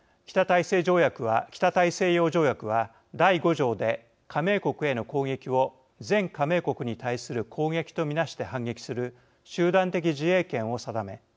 北大西洋条約は第５条で加盟国への攻撃を全加盟国に対する攻撃と見なして反撃する集団的自衛権を定め